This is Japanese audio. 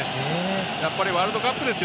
やっぱりワールドカップですよ